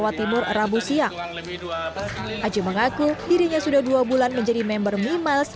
ajun mengaku dirinya sudah dua bulan menjadi member memiles